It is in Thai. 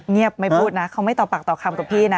เงียบไม่พูดนะเขาไม่ต่อปากต่อคำกับพี่นะ